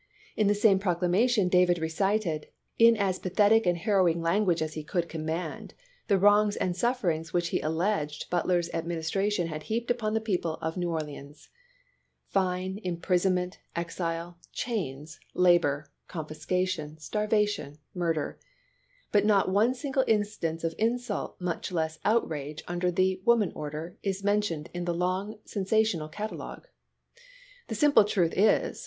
In the same proclamation Davis recited, in as pathetic and harrowing language as he could command, the wrongs and sufferings which he alleged Butler's administration had heaped upon the people of New Orleans — fine, imprisonment, exile, chains, labor, confiscation, starvation, murder — but not one single instance of insult, much less outrage, under the " woman order," is mentioned in the long sen sational catalogue. The simple truth is.